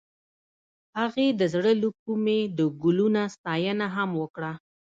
هغې د زړه له کومې د ګلونه ستاینه هم وکړه.